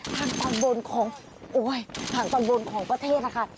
ทางตอนบนของทางตอนบนของประเทศนะคะ